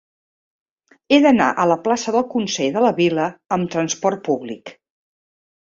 He d'anar a la plaça del Consell de la Vila amb trasport públic.